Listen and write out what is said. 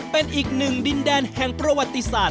เป็นอีกหนึ่งดินแดนแห่งประวัติศาสต